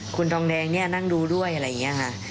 คุณทองแดงเนี่ยนั่งดูด้วยอะไรอย่างนี้ค่ะ